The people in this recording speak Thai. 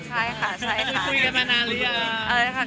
คุยกันมานานหรือยัง